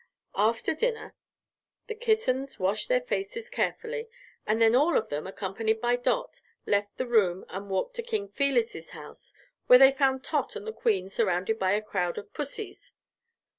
After dinner the kittens washed their faces carefully and then all of them, accompanied by Dot, left the room and walked to King Felis' house where they found Tot and the Queen surrounded by a crowd of pussys.